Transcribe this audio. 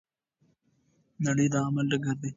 نړۍ د عمل ډګر دی.